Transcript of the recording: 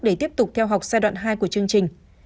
để tiếp tục theo học giai đoạn hai của chương trình